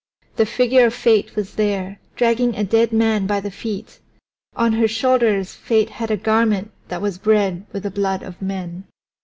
The figure of Fate was there dragging a dead man by the feet; on her shoulders Fate had a garment that was red with the blood of men.